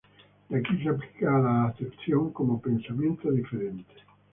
De aquí se aplica a la acepción como "pensamiento diferente".